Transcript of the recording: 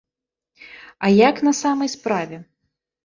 А як на самай справе?